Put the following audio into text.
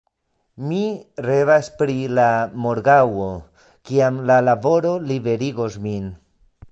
Mi revas pri la morgaŭo, kiam la laboro liberigos min.